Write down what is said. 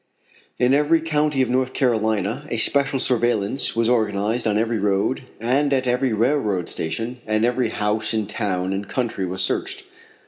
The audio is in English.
In every county of North Carolina a special surveillance was organized on every road and at every railroad station, and every house in town and country was searched.